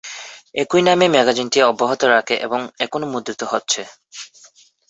একই নামে ম্যাগাজিনটি অব্যাহত রাখে এবং এখনও মুদ্রিত হচ্ছে।